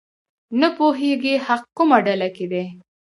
نه پوهېږي حق کومه ډله کې دی.